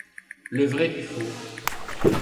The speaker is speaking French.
le vrai du faux